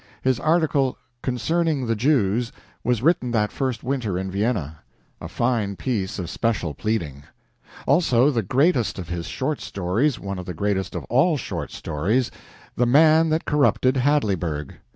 His article "Concerning the Jews" was written that first winter in Vienna a fine piece of special pleading; also the greatest of his short stories one of the greatest of all short stories "The Man that Corrupted Hadleyburg."